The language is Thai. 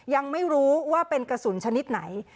ยังไม่รู้ว่าเป็นกระสุนชนิดไหน